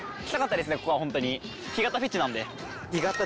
ここはホントに。